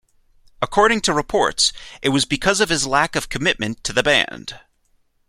According to reports, it was because of his lack of commitment to the band.